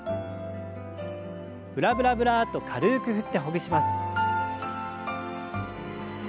ブラブラブラッと軽く振ってほぐします。